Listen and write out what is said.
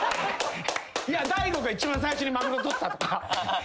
「いや大悟が一番最初にマグロ取った」とか。